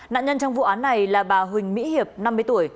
nạn nhân trong vụ án này là bà huỳnh mỹ hiệp năm mươi tuổi